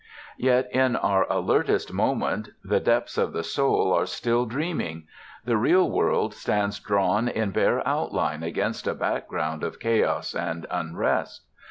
Yet in our alertest moment the depths of the soul are still dreaming; the real world stands drawn in bare outline against a background of chaos and unrest.